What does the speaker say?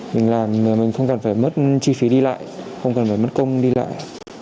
mình làm mình không còn phải mất chi phí đi lại không cần phải mất công đi lại